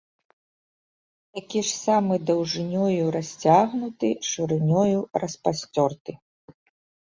Такі ж самы даўжынёю расцягнуты, шырынёю распасцёрты.